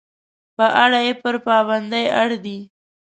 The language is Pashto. په اړه یې پر پابندۍ اړ دي.